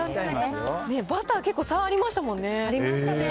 バター、結構、差、ありましありましたね。